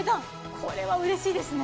これはうれしいですね。